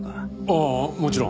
ああもちろん。